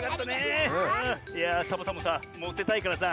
いやサボさんもさモテたいからさ